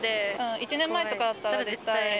１年前とかだったら絶対。